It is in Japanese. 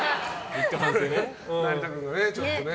成田君がちょっとね。